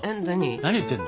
何言ってんの？